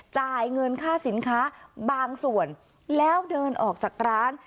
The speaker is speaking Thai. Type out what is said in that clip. จ่ายเงินค่าสินค้าบางส่วนแล้วเดินออกจากร้าน